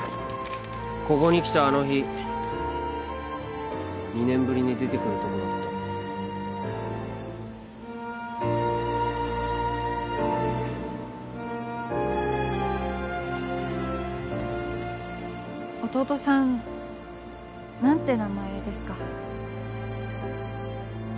ここに来たあの日２年ぶりに出てくるとこだった弟さん何て名前ですか？